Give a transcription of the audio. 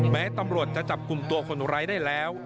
แม้ตำรวจจะจับกลุ่มตัวคนร้ายได้แล้ว